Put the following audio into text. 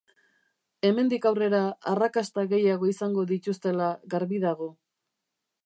Hemendik aurrera arrakasta gehiago izango dituztela garbi dago.